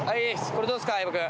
これどうっすか相葉君。